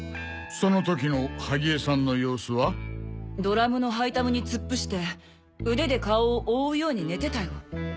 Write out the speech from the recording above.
その時の萩江さんの様子は？ドラムのハイタムに突っ伏して腕で顔を覆うように寝てたよ。